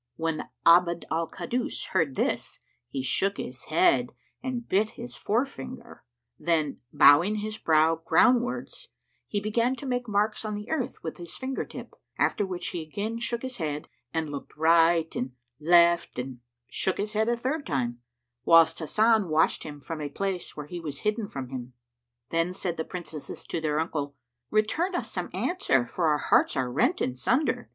'" When Abd al Kaddus heard this, he shook his head and bit his forefinger; then, bowing his brow groundwards he began to make marks on the earth with his finger tips;[FN#109] after which he again shook his head and looked right and left and shook his head a third time, whilst Hasan watched him from a place where he was hidden from him. Then said the Princesses to their uncle, "Return us some answer, for our hearts are rent in sunder."